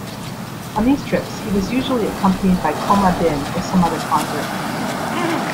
On these trips, he was usually accompanied by Ko-mah-byn or some other convert.